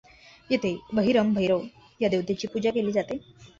येथे बहिरम भैरव या देवाची पूजा केली जाते.